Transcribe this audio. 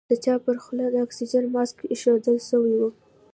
د چا پر خوله د اکسيجن ماسک ايښوول سوى و.